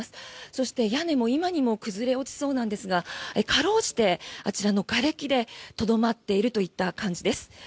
そして、屋根も今にも崩れ落ちそうなんですがかろうじて、あちらのがれきでとどまっているといった感じです。